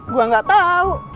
gue gak tau